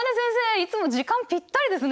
いつも時間ぴったりですね。